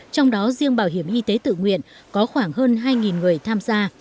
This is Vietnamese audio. trong đó riêng bảo hiểm y tế tự nguyện có khoảng hơn hai người tham gia